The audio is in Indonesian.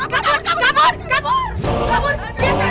oke barang barang yang kegunaannya